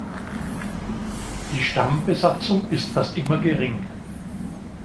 Die Stammbesatzung ist fast immer gering.